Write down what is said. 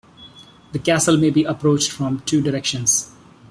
The castle may be approached from two directions.